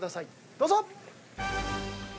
どうぞ！